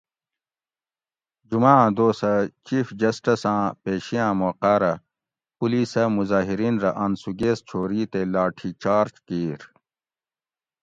جمعاں دوسہۤ چیف جسٹس آۤں پیشیاۤں موقاۤ رہ پولیسۂ مظاھرین رہ آنسو گیس چھوری تے لاٹھی چارج کِیر